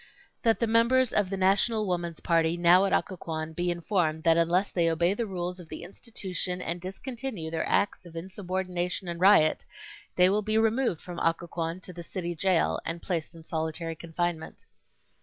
That the members of the National Woman's Party now at Occoquan be informed that unless they obey the rules of the institution and discontinue their acts of insubordination and riot, they will be removed from Occoquan to the city jail and placed in solitary confinement.